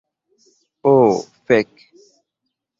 Oh fek'